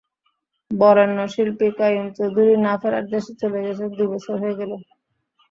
বরেণ্য শিল্পী কাইয়ুম চৌধুরী না-ফেরার দেশে চলে গেছেন দুই বছর হয়ে গেল।